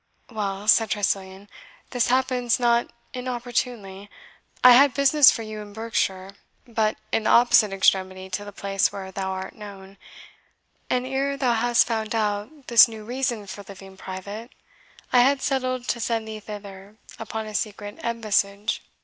"Well," said Tressilian, "this happens not inopportunely. I had business for you in Berkshire, but in the opposite extremity to the place where thou art known; and ere thou hadst found out this new reason for living private, I had settled to send thee thither upon a secret embassage."